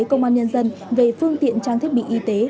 công an nhân dân về phương tiện trang thiết bị y tế